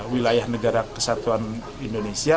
wilayah negara kesatuan indonesia